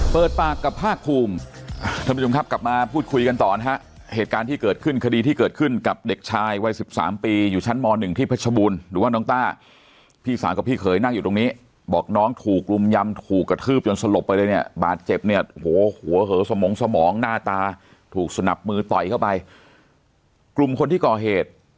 เปิดปากกับภาคภูมิท่านผู้ชมครับกลับมาพูดคุยกันต่อนะฮะเหตุการณ์ที่เกิดขึ้นคดีที่เกิดขึ้นกับเด็กชายวัย๑๓ปีอยู่ชั้นม๑ที่ผชบุญหรือว่าต้าพี่สาวกรภี่เกยนั่งอยู่ตรงนี้บอกน้องถูกกลุ่มยำถูกกระทืบจนสลบไปเลยเนี่ยบาดเจ็บเนี่ยหัวหัวเหสมองสมองหน้าตาถูกสนับมือต่อยเข